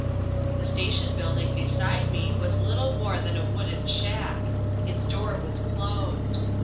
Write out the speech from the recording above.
The station building beside me was little more than a wooden shack. Its door was closed.